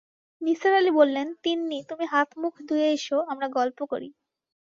নিসার আলি বললেন, তিন্নি, তুমি হাত-মুখ ধুয়ে এস, আমরা গল্প করি।